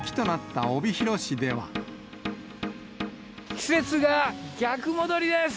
季節が逆戻りです。